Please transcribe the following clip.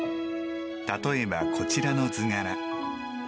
たとえば、こちらの図柄。